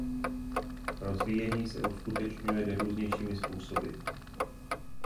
Rozvíjení se uskutečňuje nejrůznějšími způsoby.